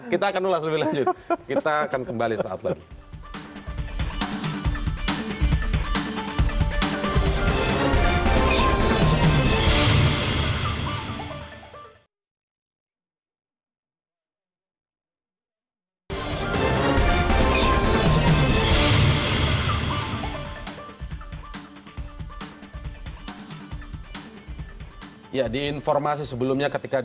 kita akan ulas lebih lanjut